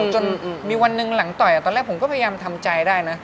จนมีวันหนึ่งหลังต่อยตอนแรกผมก็พยายามทำใจได้นะ